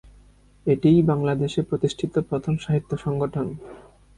এটিই বাংলাদেশে প্রতিষ্ঠিত প্রথম সাহিত্য সংগঠন।